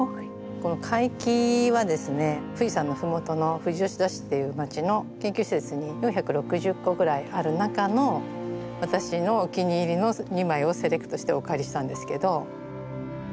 この甲斐絹は富士山の麓の富士吉田市っていう町の研究施設に４６０個ぐらいある中の私のお気に入りの２枚をセレクトしてお借りしたんですけど。